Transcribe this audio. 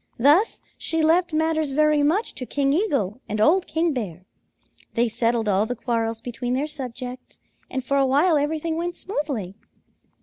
Thus she left matters very much to King Eagle and old King Bear. They settled all the quarrels between their subjects, and for a while everything went smoothly.